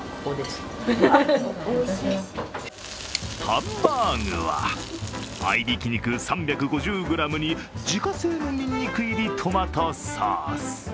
ハンバーグは合いびき肉３５０ｇに自家製のにんにく入りトマトソース。